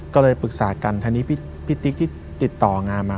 ก็เลยปรึกษากันทีนี้พี่ติ๊กที่ติดต่องานมา